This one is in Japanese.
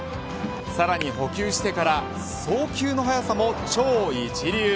さらに捕球してから送球の速さも超一流。